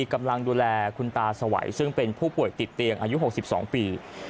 กำลังดูแลคุณตาสวัยซึ่งเป็นผู้ป่วยติดเตียงอายุ๖๒ปี